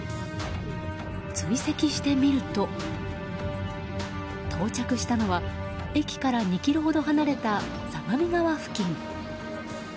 追跡してみると、到着したのは駅から２ｋｍほど離れた相模川付近。